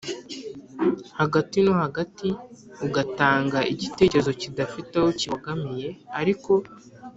hagati no hagati ugatanga igitekerezo kidafite aho kibogamiye, ariko